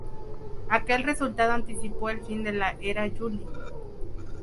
Aquel resultado anticipó el fin de la "era July".